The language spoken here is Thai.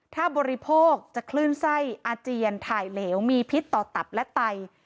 ถ้าบริโภคจะคลื่นไส้อาเจียนถ่ายเหลวมีพิษต่อตับและไต